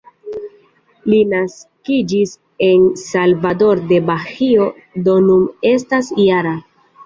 Li naskiĝis en Salvador-de-Bahio, do nun estas -jara.